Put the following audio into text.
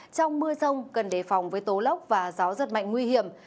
trong mưa rông cần đề phòng với tố lốc và gió giật mạnh nguy hiểm